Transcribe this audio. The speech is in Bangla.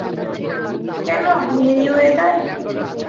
কেনো, মেরিওয়েদার?